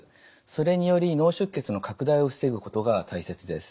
それにより脳出血の拡大を防ぐことが大切です。